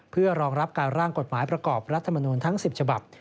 เพื่อรองรับการร่างกฎหมายประกอบรัฐมนูลทั้ง๑๐ฉบับ